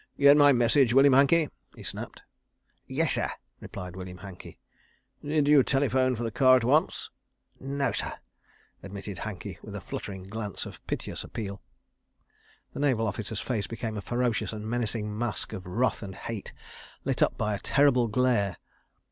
"Get my message, William Hankey?" he snapped. "Yessir," replied William Hankey. "Did you telephone for the car at once?" "Nossir," admitted Hankey, with a fluttering glance of piteous appeal. The naval officer's face became a ferocious and menacing mask of wrath and hate, lit up by a terrible glare.